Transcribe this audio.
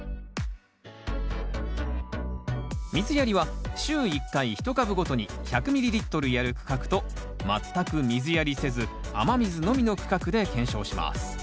水やりは週１回一株ごとに１００ｍＬやる区画と全く水やりせず雨水のみの区画で検証します